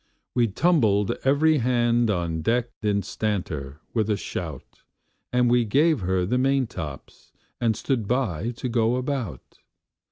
We tumbled every hand on deck instanter, with a shout, And we gave her the maintops'l, and stood by to go about.